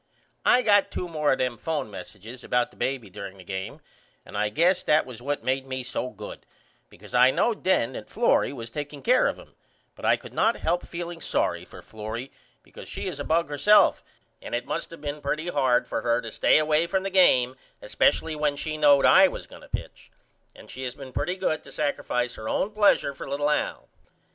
I got 2 more of them phone messiges about the baby dureing the game and I guess that was what made me so good because I knowed then that Florrie was takeing care of him but I could not help feeling sorry for Florrie because she is a bug herself and it must of been pretty hard for her to stay away from the game espesially when she knowed I was going to pitch and she has been pretty good to sacrifice her own plesure for little Al.